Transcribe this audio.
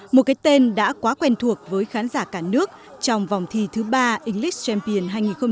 một cái tên đã quá quen thuộc với khán giả cả nước trong vòng thi thứ ba english champion hai nghìn một mươi chín